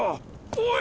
おい！